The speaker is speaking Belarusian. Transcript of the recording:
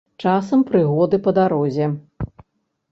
Часам прыгоды па дарозе.